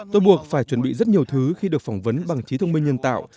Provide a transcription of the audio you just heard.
tôi buộc phải chuẩn bị rất nhiều thứ khi được phỏng vấn bằng trí thông minh nhân tạo